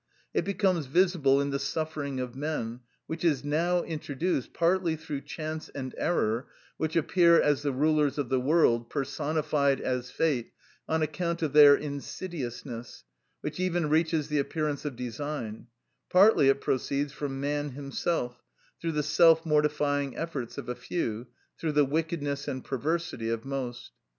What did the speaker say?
It becomes visible in the suffering of men, which is now introduced, partly through chance and error, which appear as the rulers of the world, personified as fate, on account of their insidiousness, which even reaches the appearance of design; partly it proceeds from man himself, through the self mortifying efforts of a few, through the wickedness and perversity of most.